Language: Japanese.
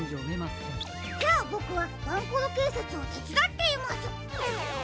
じゃあボクはワンコロけいさつをてつだっています。